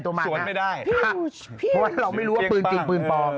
ดำเนินคดีต่อไปนั่นเองครับ